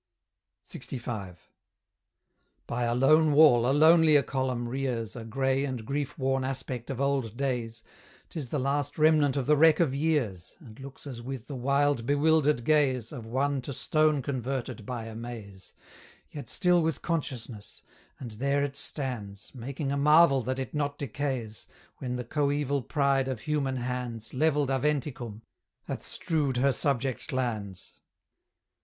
LXV. By a lone wall a lonelier column rears A grey and grief worn aspect of old days 'Tis the last remnant of the wreck of years, And looks as with the wild bewildered gaze Of one to stone converted by amaze, Yet still with consciousness; and there it stands, Making a marvel that it not decays, When the coeval pride of human hands, Levelled Aventicum, hath strewed her subject lands.